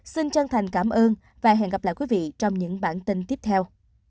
xin chân thành cảm ơn và hẹn gặp lại quý vị trong những bản tin tiếp theo